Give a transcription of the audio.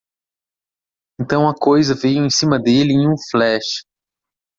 Então a coisa veio em cima dele em um flash.